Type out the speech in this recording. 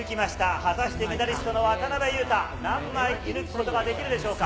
果たしてメダリストの渡辺勇大、何枚射抜くことができるでしょうか。